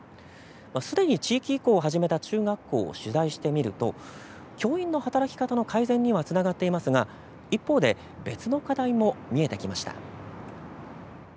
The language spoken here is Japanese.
すでに地域移行を始めた中学校を取材してみると教員の働き方の改善にはつながっていますが一方で別の課題も見えてきました。